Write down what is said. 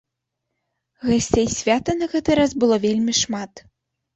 Гасцей свята на гэты раз было вельмі шмат.